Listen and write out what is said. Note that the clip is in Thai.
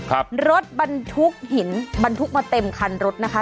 ครับรถบรรทุกหินบรรทุกมาเต็มคันรถนะคะ